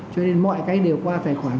cho nên mọi cái đều qua tài khoản